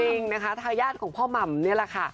จริงนะคะทายาทของพ่อหม่ำนี่แหละค่ะ